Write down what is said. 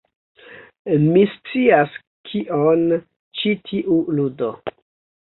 Mi scias kion ĉi tiu ludo...